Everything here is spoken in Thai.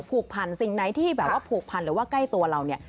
ผูกพันสิ่งไหนที่แบบว่าผูกพันหรือว่าใกล้ตัวเราเนี่ย